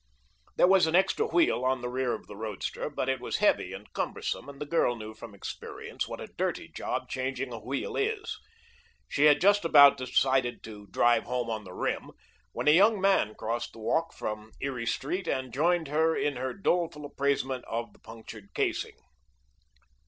There was an extra wheel on the rear of the roadster, but it was heavy and cumbersome, and the girl knew from experience what a dirty job changing a wheel is. She had just about decided to drive home on the rim, when a young man crossed the walk from Erie Street and joined her in her doleful appraisement of the punctured casing.